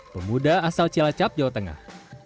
pemuda asal cilacap jawa tengah